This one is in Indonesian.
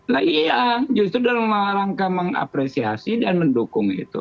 nah iya justru dalam rangka mengapresiasi dan mendukung itu